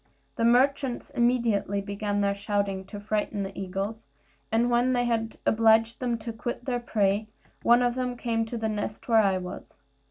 The merchants immediately began their shouting to frighten the eagles; and when they had obliged them to quit their prey, one of them came to the nest where I was.